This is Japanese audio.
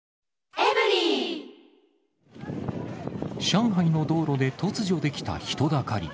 上海の道路で突如出来た人だかり。